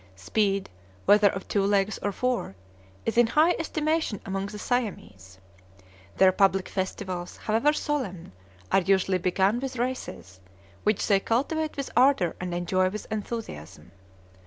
Speed, whether of two legs or four, is in high estimation among the Siamese. Their public festivals, however solemn, are usually begun with races, which they cultivate with ardor and enjoy with enthusiasm.